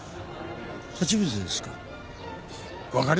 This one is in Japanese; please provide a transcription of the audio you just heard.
初めてですか？